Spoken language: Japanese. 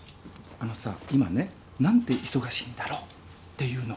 あのさ今ね「なんて忙しいんだろう！」っていうの聞こえてた？